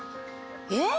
えっ？